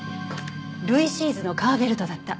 ルイシーズの革ベルトだった。